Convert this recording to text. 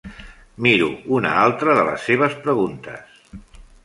Miro una altra de les seves preguntes.